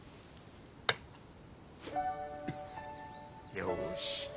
よし。